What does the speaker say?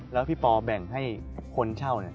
แล้วพี่ปอแบ่งให้คนเช่า